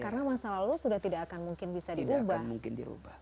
karena masa lalu sudah tidak akan mungkin bisa diubah